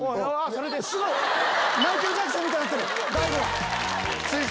すごい！マイケル・ジャクソンみたいになってる！